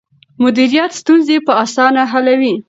مديريت ستونزې په اسانه حلوي.